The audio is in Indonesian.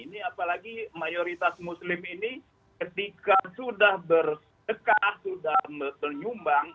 ini apalagi mayoritas muslim ini ketika sudah bersedekah sudah menyumbang